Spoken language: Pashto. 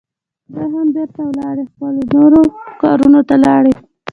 دوی هم بیرته ولاړې، خپلو نورو کارونو ته لاړې.